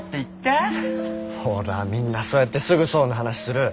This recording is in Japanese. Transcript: ほらみんなそうやってすぐ想の話する。